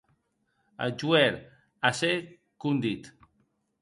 Eth joueur, a ce qu’on dit.